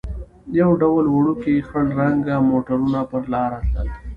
یو ډول وړوکي خړ رنګه موټرونه پر لار تلل.